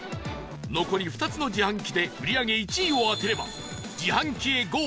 残り２つの自販機で売り上げ１位を当てれば自販機へゴー！